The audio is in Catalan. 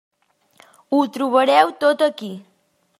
Ho trobareu tot aquí.